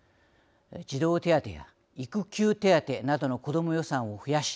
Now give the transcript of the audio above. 児童手当や育休手当などのこども予算を増やし